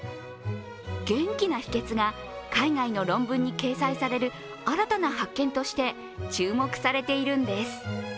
元気な秘けつが、海外の論文に掲載される新たな発見として注目されていくんです。